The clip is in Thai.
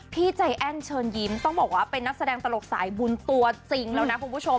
พี่ใจแอ้นเชิญยิ้มต้องบอกว่าเป็นนักแสดงตลกสายบุญตัวจริงแล้วนะคุณผู้ชม